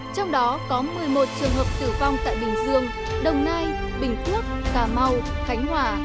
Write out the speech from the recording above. trong đó có một mươi một trường hợp tử vong tại bình dương đồng nai bình phước cà mau khánh hòa